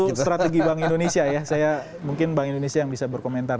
itu strategi bank indonesia ya saya mungkin bank indonesia yang bisa berkomentar